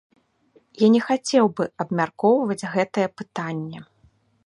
Я не хацеў бы абмяркоўваць гэтае пытанне.